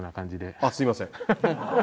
あっすいません。